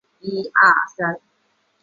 大崎站的铁路车站。